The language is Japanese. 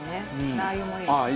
ラー油もいいですね。